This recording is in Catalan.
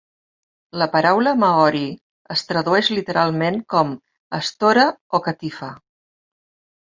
La paraula maori es tradueix literalment com "estora" o "catifa".